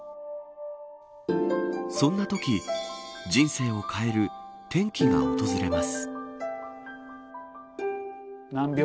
そんなとき人生を変える転機が訪れます。